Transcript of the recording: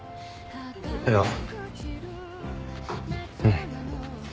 いやうん。